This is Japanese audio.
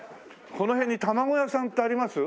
この辺に卵屋さんってあります？